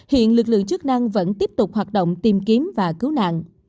hiện lực lượng chức năng vẫn tiếp tục hoạt động tìm kiếm và cứu nạn